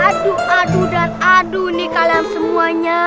aduh adu dan aduh nih kalian semuanya